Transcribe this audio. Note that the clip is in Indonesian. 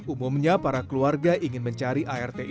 umumnya para keluarga ingin mencari art infal yang sudah berpengalaman